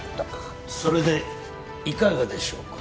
それでいかがでしょうか？